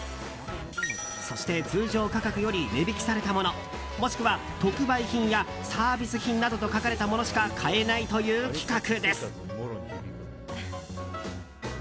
そして、通常価格より値引きされたものもしくは特売品やサービス品などと書かれたものしか買えないという企画です。